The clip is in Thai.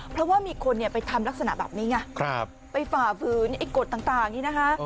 เพราะว่ามีคนเนี้ยไปทำรักษณะแบบนี้ไงครับไปฝ่าฟืนไอ้กดต่างต่างนี้นะคะ